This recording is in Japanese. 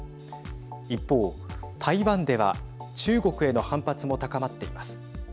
一方、台湾では中国への反発も高まっています。